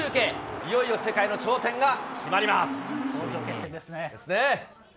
いよいよ世界の頂点が決まります。